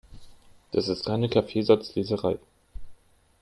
Das ist reine Kaffeesatzleserei.